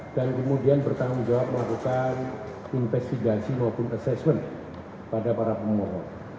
dan kemudian bertanggung jawab untuk melakukan investigasi maupun assessment pada para permohon